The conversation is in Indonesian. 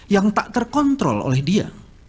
yang tak terkontrol oleh dia